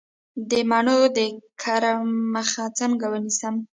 د مڼو د کرم مخه څنګه ونیسم؟